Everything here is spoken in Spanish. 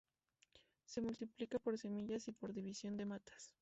Se multiplica por semillas y por división de matas.